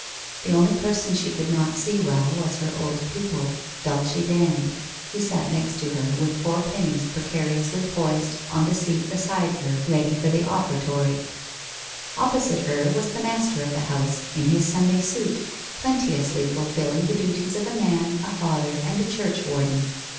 The only person she could not see well was her old pupil, Dulee Dand, who sat next her, with four pennies pre cariously poised on the seat beside her ready for the offertory. Opposite her was the master of the house, in his Sunday suit, plenteously fulfilling the duties of a man, a father, and a church warden.